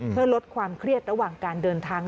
เพื่อลดความเครียดระหว่างการเดินทาง